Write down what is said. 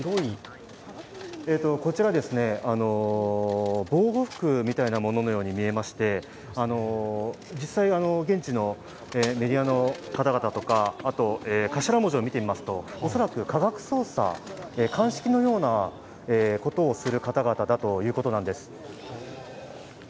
こちら、防護服みたいなもののように見えまして、実際、現地のメディアの方々とか頭文字を見てみますと恐らく科学捜査、鑑識のようなことをする方々だということなんです。